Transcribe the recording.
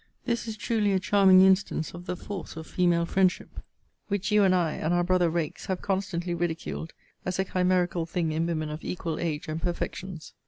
This is truly a charming instance of the force of female friendship; which you and I, and our brother rakes, have constantly ridiculed as a chimerical thing in women of equal age, and perfections.